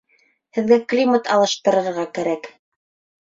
Һеҙгә климат алыштырырға кәрәк